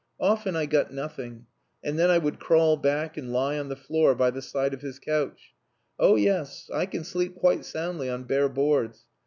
Often I got nothing, and then I would crawl back and lie on the floor by the side of his couch. Oh yes, I can sleep quite soundly on bare boards.